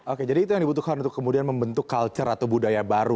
oke jadi itu yang dibutuhkan untuk kemudian membentuk culture atau budaya baru